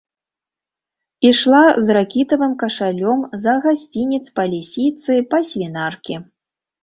Ішла з ракітавым кашалём за гасцінец па лісіцы, па свінаркі.